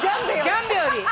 ジャンベより。